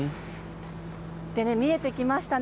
見えてきましたね。